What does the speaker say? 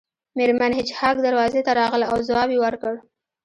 میرمن هیج هاګ دروازې ته راغله او ځواب یې ورکړ